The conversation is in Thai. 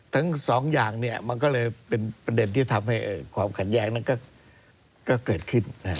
ทั้งสองอย่างมันก็เลยเป็นประเด็นที่ทำให้ความขัดแย้งนั้นก็เกิดขึ้น